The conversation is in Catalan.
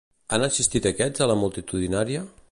Han assistit aquests a la multitudinària?